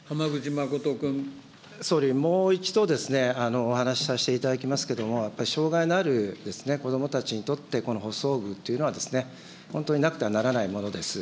総理、もう一度お話させていただきますけども、障害のある子どもたちにとって、この補装具というのは、本当になくてはならないものです。